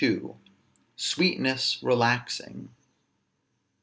SWEETNESS RELAXING.